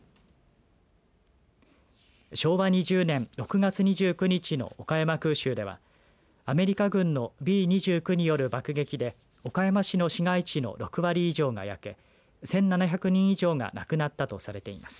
昭和２０年６月２９日の岡山空襲では、アメリカ軍のＢ２９による爆撃で岡山市の市街地の６割以上が焼け１７００人以上が亡くなったとされています。